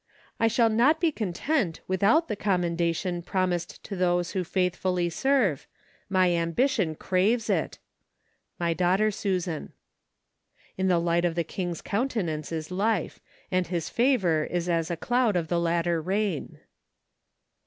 I shall not be con¬ tent without the commendation promised to those who faithfully serve; my ambition craves it. My Daughter Susan. " In the light of the king's countenance is life; and his favor is as a cloud of the latter rain."